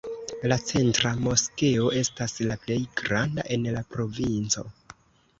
La centra moskeo estas la plej granda en la provinco.